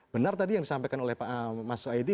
benar tadi yang disampaikan oleh mas soedi